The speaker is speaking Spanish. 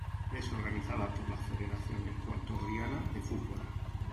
Es organizada por la Federación Ecuatoriana de Fútbol.